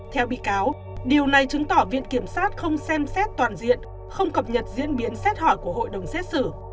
theo bị cáo điều này chứng tỏ viện kiểm sát không xem xét toàn diện không cập nhật diễn biến xét hỏi của hội đồng xét xử